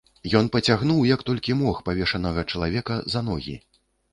Ён пацягнуў, як толькі мог, павешанага чалавека за ногі.